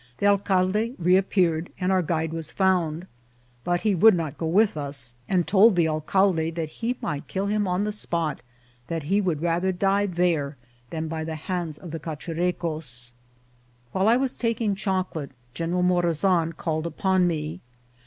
The alcalde reappeared, and our guide was found, but he would not go with us, and told the alcalde that he might kill him on the spot ; that he would rather die there than by the hands of the Cachurecos. While I was taking chocolate, General Morazan called upon me.